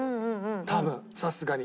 多分さすがに。